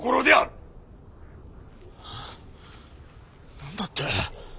何だって？